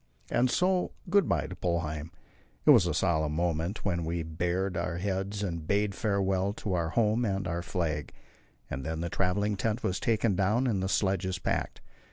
And so good bye to Polheim. It was a solemn moment when we bared our heads and bade farewell to our home and our flag. And then the travelling tent was taken down and the sledges packed.